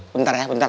bentar ya bentar